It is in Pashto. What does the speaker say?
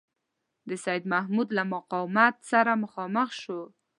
د سیدمحمود له مقاومت سره مخامخ شو.